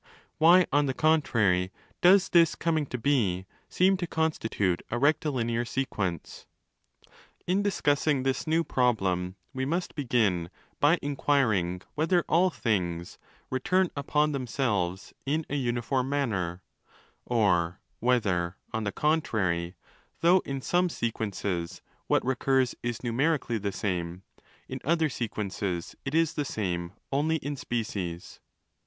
Why, on the contrary, does this coming to be seem to constitute a rectilinear sequence ? In discussing this new problem, we must begin by inquiring whether all things 'return upon themselves' in a uniform manner; or whether, on the contrary, though in some sequences what recurs is numerically the same, in other sequences it is the same οηάν iu species.